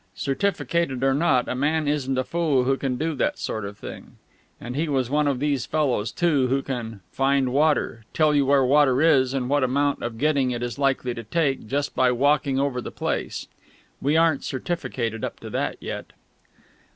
Certificated or not, a man isn't a fool who can do that sort of thing. And he was one of these fellows, too, who can "find water" tell you where water is and what amount of getting it is likely to take, by just walking over the place. We aren't certificated up to that yet.